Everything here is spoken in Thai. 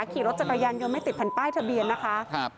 ขี่รถจักรยานยนต์ไม่ติดแผ่นป้ายทะเบียนนะคะ